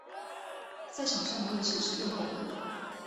在场上的位置是右后卫。